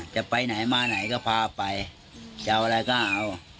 จะไปไหนมาไหนก็พาไปจะเอาอะไรก็เอา